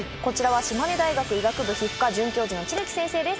こちらは島根大学医学部皮膚科准教授の千貫先生です。